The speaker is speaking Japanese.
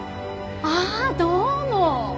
あぁどうも。